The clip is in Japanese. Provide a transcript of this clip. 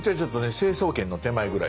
成層圏の手前ぐらい。